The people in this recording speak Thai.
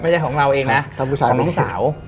ไม่ใช่ของเราเองนะ